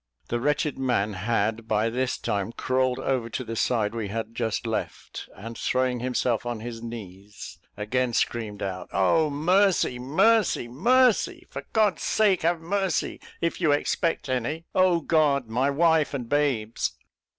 The wretched man had by this time crawled over to the side we had just left; and throwing himself on his knees, again screamed out, "Oh, mercy, mercy, mercy! For God's sake, have mercy, if you expect any! Oh, God! my wife and babes!"